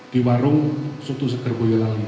di warung soto seger boyolali